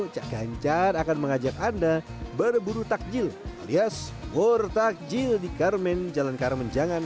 cak ganjar akan mengajak anda berburu takjil alias work takjil di carmen jalan carmen jangan